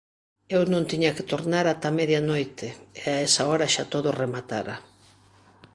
Eu non tiña que tornar ata medianoite, e a esa hora xa todo rematara.